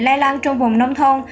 lai lan trong vùng nông thôn